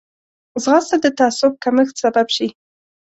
ځغاسته د تعصب کمښت سبب شي